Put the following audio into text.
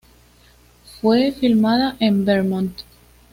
Fue filmada en Vermont.